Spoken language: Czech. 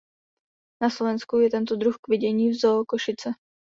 Na Slovensku je tento druh k vidění v Zoo Košice.